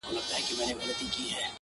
• له کلونو یې پر څنډو اوسېدلی -